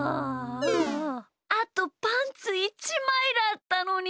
あとパンツ１まいだったのに。